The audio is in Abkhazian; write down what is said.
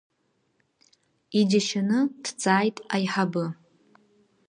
Иџьашьаны дҵааит аиҳабы.